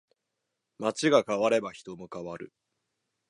街が変われば人も変わる